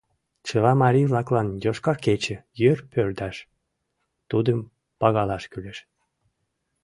Чыла марий-влаклан «Йошкар кече» йыр пӧрдаш, тудым пагалаш кӱлеш.